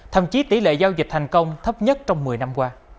thậm chí tỷ lệ giao dịch thành công thấp nhất trong một mươi năm qua